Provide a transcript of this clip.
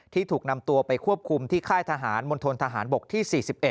ถูกนำตัวไปควบคุมที่ค่ายทหารมณฑนทหารบกที่๔๑